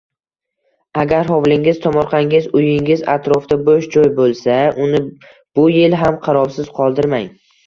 Agar hovlingiz, tomorqangiz, uyingiz atrofida boʻsh joy boʻlsa, uni bu yil ham qarovsiz qoldirmang